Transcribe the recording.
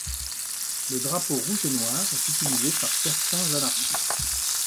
Le drapeau rouge et noir est utilisé par certains anarchistes.